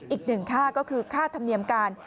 อีกหนึ่งค่าก็คือค่าธรรมเนียมการ